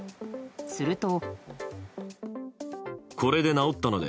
すると。